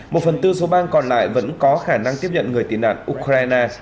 một phần tư số bang còn lại vẫn có khả năng tiếp nhận người tị nạn ukraine